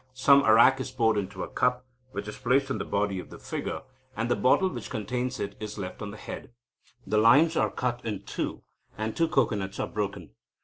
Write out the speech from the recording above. Some arrack is poured into a cup, which is placed on the body of the figure, and the bottle which contained it is left on the head. The limes are cut in two, and two cocoanuts are broken.